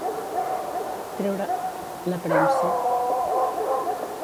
Treure la premsa.